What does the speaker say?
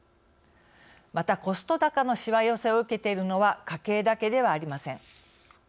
またコスト高のしわ寄せを受けているのは家計だけではありません。